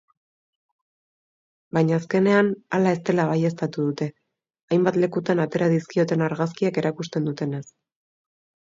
Baina azkenean hala ez dela baieztatu dute, hainbat lekutan atera dizkioten argazkiek erakusten dutenez.